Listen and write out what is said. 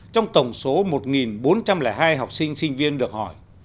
trong tổng số một bốn trăm linh hai học sinh sinh viên được hỏi